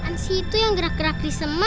kan situ yang gerak gerak di semua